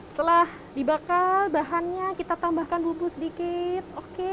setelah dibakar bahannya kita tambahkan bubu sedikit